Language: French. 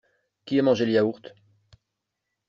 Qui a mangé le yaourt?